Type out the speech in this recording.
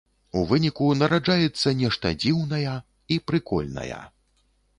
У выніку нараджаецца нешта дзіўная і прыкольная.